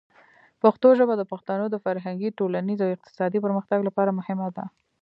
پښتو ژبه د پښتنو د فرهنګي، ټولنیز او اقتصادي پرمختګ لپاره مهمه ده.